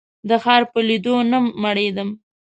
د ښار په لیدو نه مړېدم.